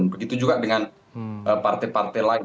begitu juga dengan partai partai lain